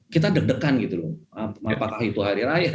kita deg degan gitu loh apakah itu hari raya